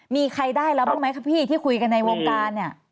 มีใครได้แล้วบ้างไหมครับพี่ที่คุยกันในวงการเนี่ย